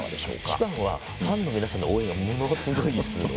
一番はファンの皆さんの応援がものすごいですね。